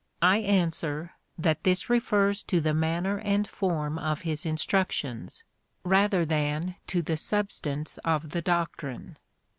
I answer, that this refers to the manner and form of his instructions, rather than to the substance of the doctrine.